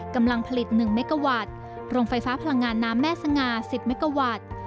กำลังผลิต๑เมกาวัตต์โรงไฟฟ้าพลังงานน้ำแม่สง่า๑๐เมกาวัตต์